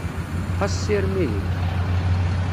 Xas sirem ihi!